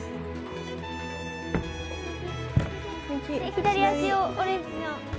左足をオレンジの。